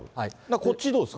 こっちどうですか？